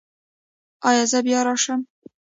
ایا زه بیا راشم؟